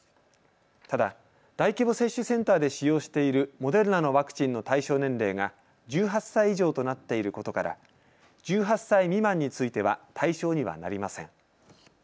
ただ、大規模接種センターで使用しているモデルナのワクチンの対象年齢が１８歳以上となっていることから１８歳未満については対象にはなりません。